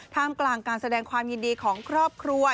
กลางการแสดงความยินดีของครอบครัว